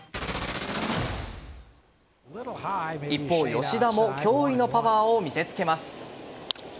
一方、吉田も驚異のパワーを見せつけます。